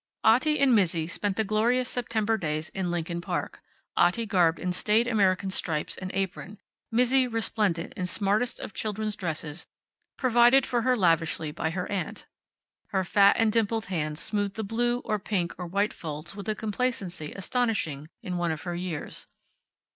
Otti and Mizzi spent the glorious September days in Lincoln park, Otti garbed in staid American stripes and apron, Mizzi resplendent in smartest of children's dresses provided for her lavishly by her aunt. Her fat and dimpled hands smoothed the blue, or pink or white folds with a complacency astonishing in one of her years.